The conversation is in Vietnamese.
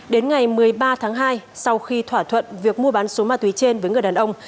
đến ngày một mươi ba tháng hai sau khi thỏa thuận việc mua bán số ma túy trên với người đàn ông